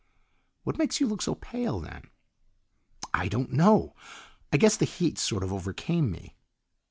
"What makes you look so pale then?" "I don't know. I guess the heat sort of overcame me."